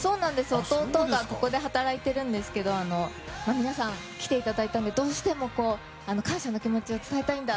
弟がここで働いているんですけど皆さん、来ていただいたのでどうしても感謝の気持ちを伝えたいんだ！